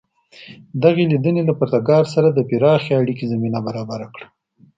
دغې لیدنې له پرتګال سره د پراخې اړیکې زمینه برابره کړه.